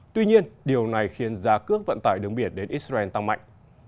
tuy nhiên điều này khiến giá cước vận tải đường biển đến israel tăng mạnh